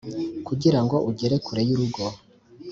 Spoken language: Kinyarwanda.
kugirango ugere kure y'urugo